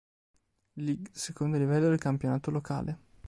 Lig, secondo livello del campionato locale.